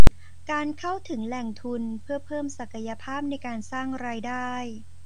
การเข้าถึงแหล่งทุนเพื่อเพิ่มศักยภาพในการสร้างรายได้